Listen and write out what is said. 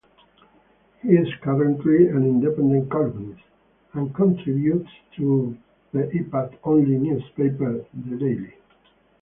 He is currently an independent columnist, and contributes to the iPad-only newspaper The Daily.